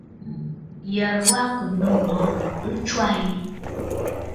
Ǹyərə wa à kɨ̀ nô ŋ̀gòrə̀ ɨ tswâ yi.